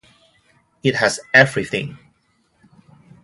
It has everything.